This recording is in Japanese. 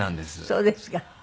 そうですか。